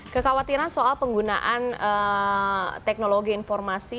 kekhawatiran soal penggunaan teknologi informasi